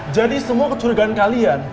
jadi semua kecurigaan kalian